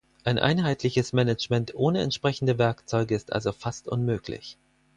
Ein einheitliches Management ohne entsprechende Werkzeuge ist also fast unmöglich.